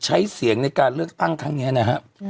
ใช้เสียงในการเลือกตั้งครั้งนี้นะครับ